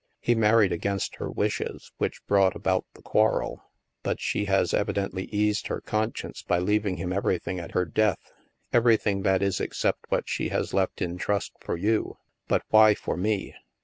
He married against her wishes, which brought about the quarrel. But she has evidently eased her conscience by leaving him everything at her death. Everything, that is, except what she has left in trust for you." "But why forme?"